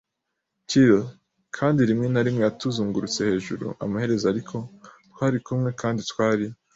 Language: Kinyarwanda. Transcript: keel, kandi rimwe na rimwe yatuzungurutse hejuru. Amaherezo ariko, twarikumwe, kandi twari